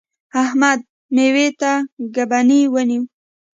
احمد؛ مېوې ته ګبڼۍ ونیو.